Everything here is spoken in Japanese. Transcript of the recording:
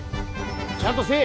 ちゃんとせえ。